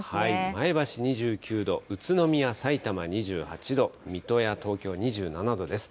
前橋２９度、宇都宮、さいたま２８度、水戸や東京２７度です。